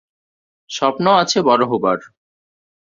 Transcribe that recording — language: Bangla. স্বপ্ন আছে বড়ো হবার।